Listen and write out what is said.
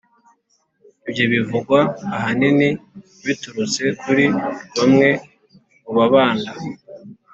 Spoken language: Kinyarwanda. ibyo bivugwa ahanini biturutse kuri bamwe mu babanda